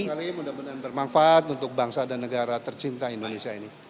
sekali mudah mudahan bermanfaat untuk bangsa dan negara tercinta indonesia ini